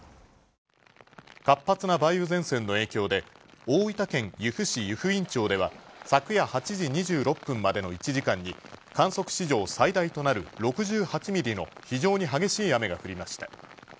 活発な梅雨前線の影響で、大分県由布市湯布院町では昨夜８時２６分までの１時間に観測史上最大となる６８ミリの非常に激しい雨が降りました。